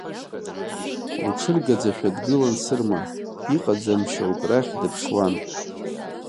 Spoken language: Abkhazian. Лҽыргаӡашәа дгылан Сырма, иҟаӡам шьоук рахь дыԥшуан.